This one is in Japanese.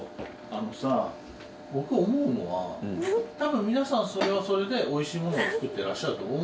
あのさ僕思うのは多分皆さんそれはそれでおいしいものを作ってらっしゃると思うんですけど。